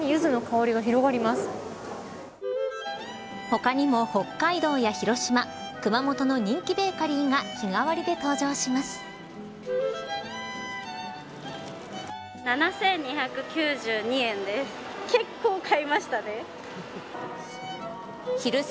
他にも北海道や広島熊本の人気ベーカリーが日替わりで登場します。